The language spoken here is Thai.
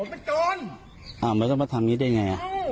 อ้าวไม่ใช่มาทำงี้ได้ไง